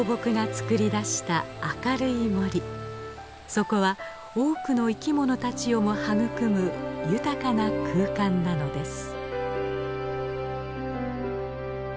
そこは多くの生き物たちをも育む豊かな空間なのです。